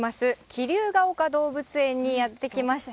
桐生が岡動物園にやって来ました。